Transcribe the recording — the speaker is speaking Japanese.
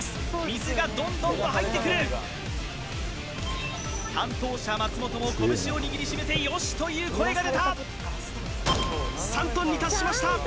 水がどんどんと入ってくる担当者松本も拳を握りしめて「よし」という声が出た３ｔに達しました